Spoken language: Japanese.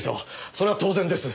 それは当然です。